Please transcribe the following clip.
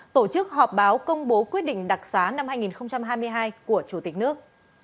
tổ chức họp báo công bố quyết định đặc xá năm hai nghìn hai mươi hai của chủ tịch nước